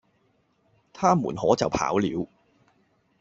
他們可就跑了。